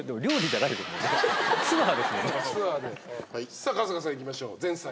さあ春日さんいきましょう前菜。